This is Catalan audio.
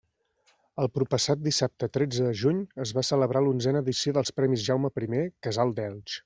El proppassat dissabte tretze de juny es va celebrar l'onzena edició dels premis Jaume I – Casal d'Elx.